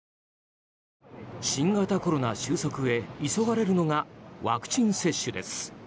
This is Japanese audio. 新型コロナ収束へ急がれるのがワクチン接種です。